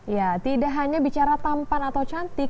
ya tidak hanya bicara tampan atau cantik